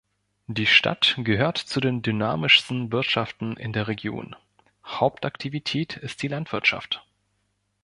Die Stadt gehört zu den dynamischsten Wirtschaften in der Region, Hauptaktivität ist die Landwirtschaft.